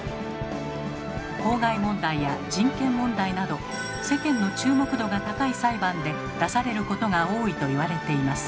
公害問題や人権問題など世間の注目度が高い裁判で出されることが多いと言われています。